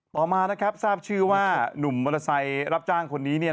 ต่อมานะครับทราบชื่อว่าหนุ่มมอเตอร์ไซค์รับจ้างคนนี้เนี่ย